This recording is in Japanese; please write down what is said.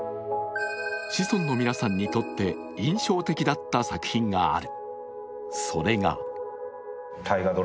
子孫の皆さんにとって印象的だった作品がある。